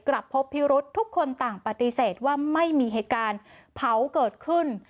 กลับพบพิรุษทุกคนต่างปฏิเสธว่าไม่มีเหตุการณ์เผาเกิดขึ้น